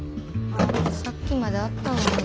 さっきまであったのに。